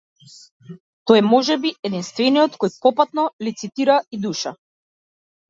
Тој е можеби единствениот кој попатно лицитира и душа.